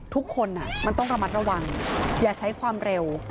ทุกคนมันต้องระมัดระวังอย่าใช้ความเร็ว